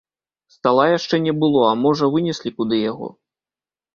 Стала яшчэ не было, а можа, вынеслі куды яго.